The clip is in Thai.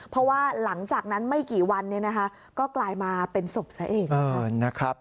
เพราะว่าหลังจากนั้นไม่กี่วันก็กลายมาเป็นศพซะเองนะครับ